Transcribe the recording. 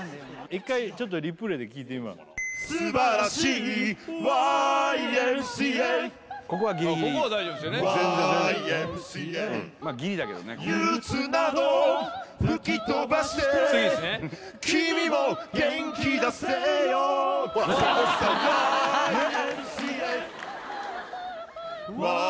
１回ちょっとリプレイで聴いて今のここはギリギリここは大丈夫ですよねまあギリだけどね次っすねヤングマン！